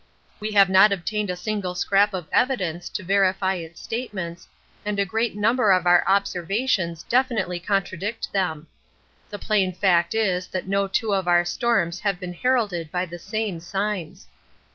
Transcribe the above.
We have not obtained a single scrap of evidence to verify its statements, and a great number of our observations definitely contradict them. The plain fact is that no two of our storms have been heralded by the same signs.